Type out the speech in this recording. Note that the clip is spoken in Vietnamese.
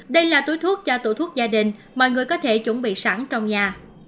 đây là túi thuốc cho tủ thuốc gia đình mọi người có thể chuẩn bị sẵn trong nhà